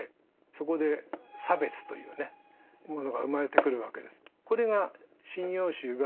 そこで差別というねものが生まれてくるわけです。